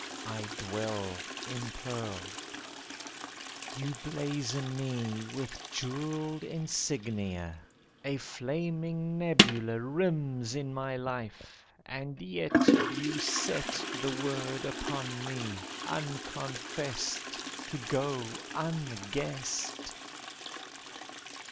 I dwell impearled. You blazon me with jewelled insignia. A flaming nebula Rims in my life. And yet You set The word upon me, unconfessed To go unguessed.